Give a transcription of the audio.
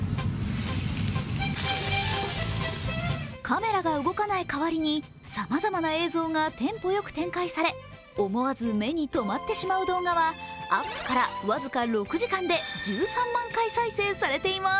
カメラが動かない代わりにさまざまな映像がテンポよく展開され思わず目に止まってしまう動画はアップから僅か６時間で１３万回再生されています。